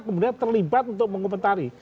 kemudian terlibat untuk mengkomentari